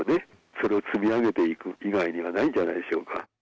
それを積み上げていく以外にはないんじゃないでしょうか。